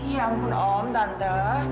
ya ampun om tante